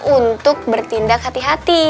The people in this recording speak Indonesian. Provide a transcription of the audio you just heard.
untuk bertindak hati hati